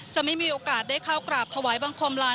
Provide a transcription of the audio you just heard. จะไม่มีโอกาสได้เข้ากราบถวายบังคมลาน